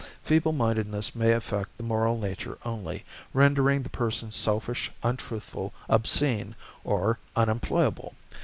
Feeble mindedness may affect the moral nature only, rendering the person selfish, untruthful, obscene, or unemployable.